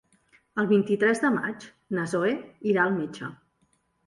El vint-i-tres de maig na Zoè irà al metge.